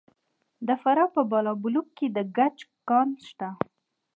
د فراه په بالابلوک کې د ګچ کان شته.